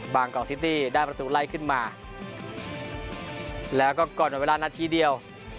กอกซิตี้ได้ประตูไล่ขึ้นมาแล้วก็ก่อนเวลานาทีเดียว